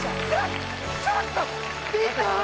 ちょっとみた⁉